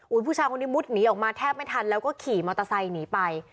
ผู้ชายคนนี้มุดหนีออกมาแทบไม่ทันแล้วก็ขี่มอเตอร์ไซค์หนีไป